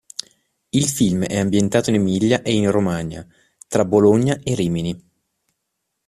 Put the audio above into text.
Il film è ambientato in Emilia e in Romagna, tra Bologna e Rimini.